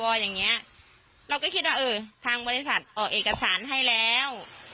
เราก็คิดว่าเราเอาเอกสารให้แล้ว